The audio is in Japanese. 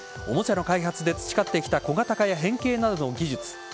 おもちゃの開発で培ってきた小型化や変形などの技術。